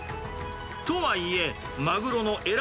とはいえ、マグロのえら